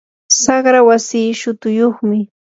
saqra wasii shutuyyuqmi.